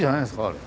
あれ。